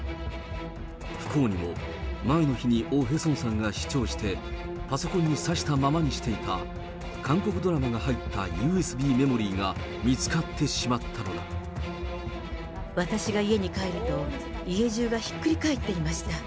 不幸にも、前の日にオ・ヘソンさんが視聴して、パソコンにさしたままにしていた韓国ドラマが入ったＵＳＢメモリ私が家に帰ると、家中がひっくり返っていました。